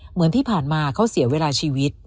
เหมือนที่ผ่านมาเขาเสียเวลาชีวิต